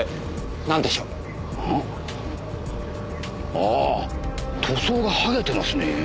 あぁ塗装がはげてますね。